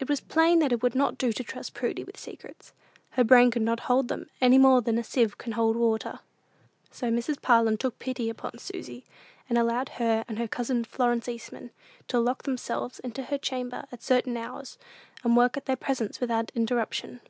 It was plain that it would not do to trust Prudy with secrets. Her brain could not hold them, any more than a sieve can hold water. So Mrs. Parlin took pity upon Susy, and allowed her and her cousin Florence Eastman to lock themselves into her chamber at certain hours, and work at their presents without interruption.